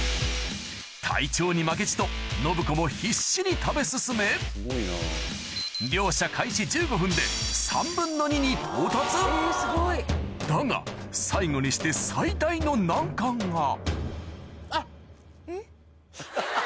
隊長に負けじと信子も必死に食べ進め両者に到達だが最後にして最大の難関があっ。